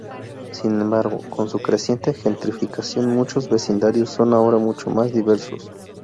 Sin embargo, con su creciente gentrificación, muchos vecindarios son ahora mucho más diversos.